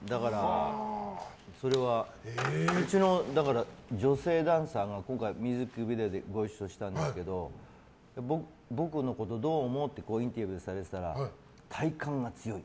うちの女性ダンサーが今回、ミュージックビデオでご一緒したんですけど僕のことどう思う？ってインタビューされてたら体幹が強い。